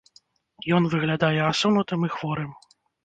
Ён выглядае асунутым і хворым.